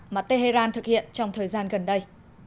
mà tehran thực hiện trong thời gian gần đây